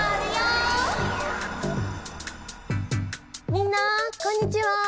みんなこんにちは。